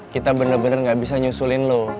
kita bener bener gak bisa nyusulin loh